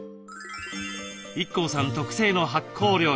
ＩＫＫＯさん特製の発酵料理。